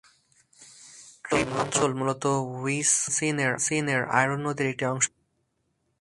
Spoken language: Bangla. ট্রিপ অঞ্চল মূলত উইসকনসিনের আয়রন নদীর একটি অংশ ছিল।